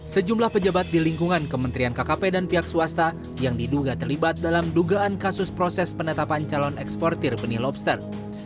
sejumlah pejabat di lingkungan kementerian kkp dan pihak swasta yang diduga terlibat dalam dugaan kasus proses penetapan calon eksportir benih lobster